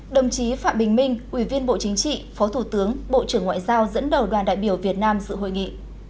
đồng chí phạm bình minh ủy viên bộ chính trị phó thủ tướng bộ trưởng ngoại giao dẫn đầu đoàn đại biểu việt nam dự hội nghị